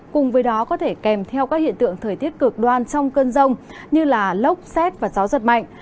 cùng với đó có thể kèm theo các hiện tượng thời tiết cực đoan trong cơn rông như lốc xét và gió giật mạnh